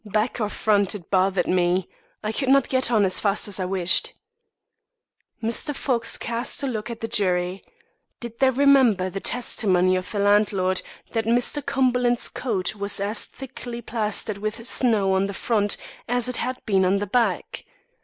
"Back or front, it bothered me. I could not get on as fast as I wished." Mr. Fox cast a look at the jury. Did they remember the testimony of the landlord that Mr. Cumberland's coat was as thickly plastered with snow on the front as it had been on the back.